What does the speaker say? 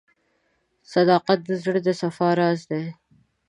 • صداقت د زړه د صفا راز دی.